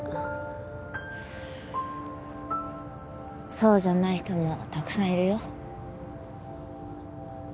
そうじゃない人もたくさんいるよ。